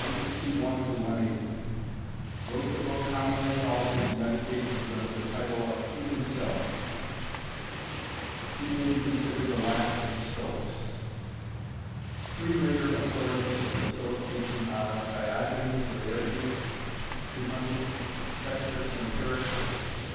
161 180 Wrote the book commonly called his "Meditations" under the title of "to himself" He may be considered the last of the Stoics Three later authorities for the Stoic teaching are Diogenes Laertius ... 200? Sextus Empiricus